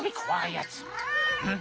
ん？